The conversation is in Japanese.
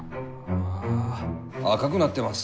あ赤くなってます。